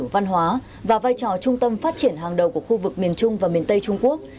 văn hóa và vai trò trung tâm phát triển hàng đầu của khu vực miền trung và miền tây trung quốc